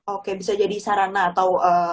oke bisa jadi sarana atau